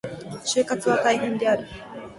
就活は大変である。